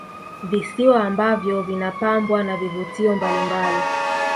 Visiwa ambavyo vinapambwa na vivutio mbalimbali